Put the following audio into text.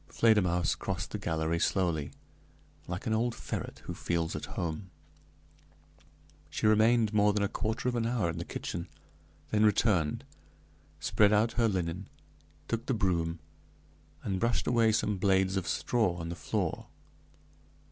Fledermausse crossed the gallery slowly, like an old ferret who feels at home. She remained more than a quarter of an hour in the kitchen, then returned, spread out her linen, took the broom, and brushed away some blades of straw on the floor.